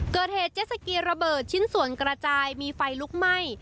เกิดเหตุเจสสกีระเบิดชิ้นส่วนกระจายมีไฟลุกไหม้